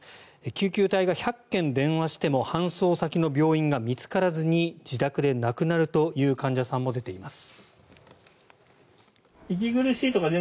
救急隊が１００件電話しても搬送先の病院が見つからずに自宅で亡くなるという患者さんも出ています。